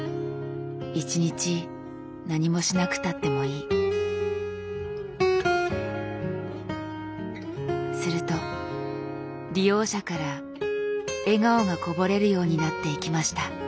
「一日何もしなくたってもいい」。すると利用者から笑顔がこぼれるようになっていきました。